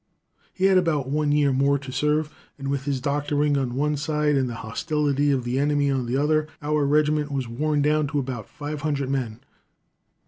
"He had about one year more to serve, and, with his doctoring on one side and the hostility of the enemy on the other, our regiment was wore down to about five hundred men.